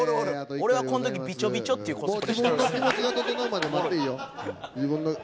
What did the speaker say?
俺はこの時びちょびちょっていうコスプレしてるんです」